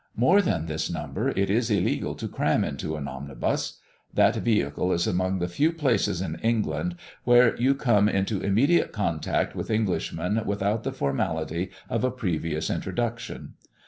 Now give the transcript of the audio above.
More than this number it is illegal to cram into an omnibus. That vehicle is among the few places in England where you come into immediate contact with Englishmen without the formality of a previous introduction.